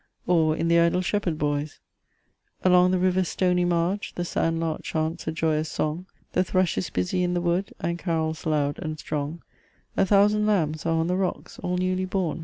Or in the IDLE SHEPHERD BOYS? "Along the river's stony marge The sand lark chants a joyous song; The thrush is busy in the wood, And carols loud and strong. A thousand lambs are on the rocks, All newly born!